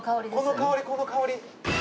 この香りこの香り。